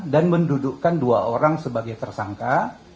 dan mendudukkan dua orang sebagai tersangka